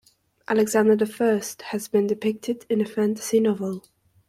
Alexander the First has been depicted in a fantasy novel.